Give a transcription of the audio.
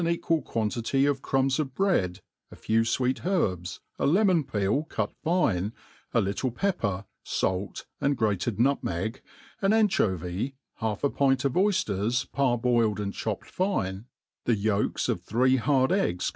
equal quantity of crumbs of bread, a few fweet herbs, a lemon peel cut fine, a little pepper, fait, and grated nutmeg, an anchovy^ half a pint of oyfters parboiled and chop ped fine, the yolks of th/ec hard eggs.